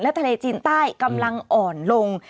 ทะเลจีนใต้กำลังอ่อนลง